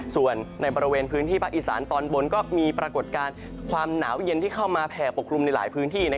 ส่วนในบริเวณพื้นที่ภาคอีสานตอนบนก็มีปรากฏการณ์ความหนาวเย็นที่เข้ามาแผ่ปกครุมในหลายพื้นที่